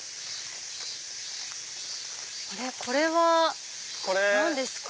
これは何ですか？